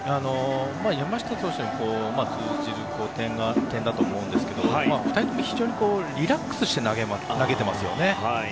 山下投手にも通じる点だと思うんですけど２人ともリラックスして投げてますよね。